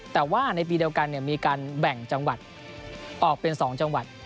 แต่ว่าในปีเดียวกันมีการแบ่งจังหวัดออกเป็น๒จังหวัด